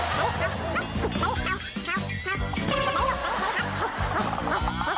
เขาเขาเขา